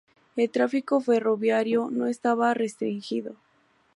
El tráfico ferroviario no estaba restringido.